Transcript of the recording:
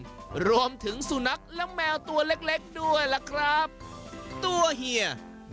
และรวมถึงสูนักและแมวเล็กด้วย